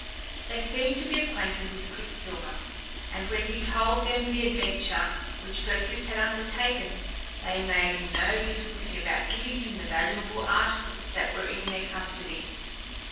They seemed to be acquainted with Quicksilver, and when he told them the adventure which Perseus had undertaken, they made no difficulty about giving him the valuable articles that were in their custody.